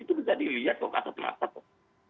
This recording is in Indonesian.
itu bisa dilihat kok kasut masut